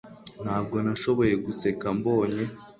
Ntabwo nashoboye guseka mbonye.